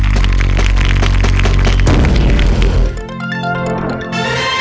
สวัสดีครับ